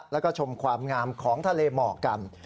แล้วก็ชมความงามของทะเลหมอกกัน